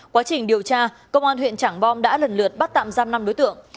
quá trình điều tra công an huyện trảng bom đã lần lượt bắt tạm giam năm đối tượng